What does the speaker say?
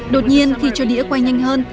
đột nhiên khi cho đĩa quay nhanh hơn